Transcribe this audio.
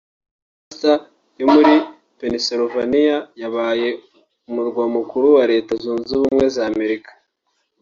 Lancaster yo muri Pennsylvania yabaye umurwa mukuru wa Leta zunze ubumwe za Amerika